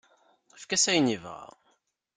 Efk-as ayen yebɣa.